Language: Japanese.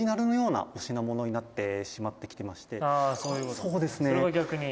「そうですね。